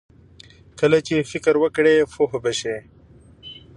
کله چې فکر وکړې، پوه به شې!